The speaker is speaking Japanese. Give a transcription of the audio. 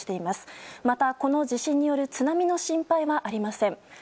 また、この地震による津波の心配はありません。